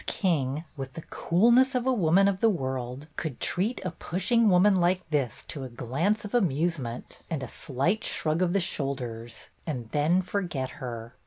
King, with the coolness of a woman of the world, could treat a pushing woman like this to a glance of amusement and a slight shrug of the shoulders, and then forget her.